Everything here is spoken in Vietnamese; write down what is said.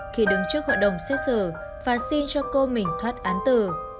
khi đứng trước hội đồng xét xử và xin cho cô mình thoát án tử